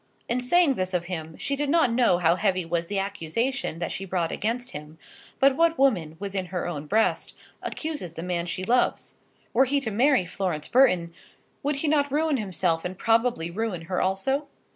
In saying this of him, she did not know how heavy was the accusation that she brought against him; but what woman, within her own breast, accuses the man she loves? Were he to marry Florence Burton, would he not ruin himself, and probably ruin her also?